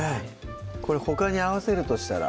これほかに合わせるとしたら？